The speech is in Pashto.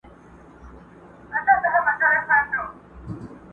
ورسره به وي د ګور په تاریکو کي؛